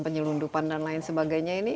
penyelundupan dan lain sebagainya ini